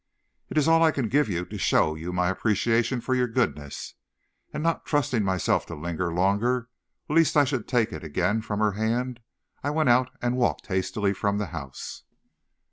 "'It is all I can give you to show you my appreciation of your goodness.' And not trusting myself to linger longer lest I should take it again from her hand, I went out and walked hastily from the house.